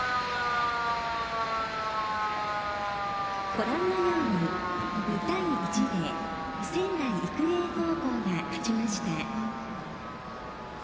ご覧のように２対１で仙台育英高校が勝ちました。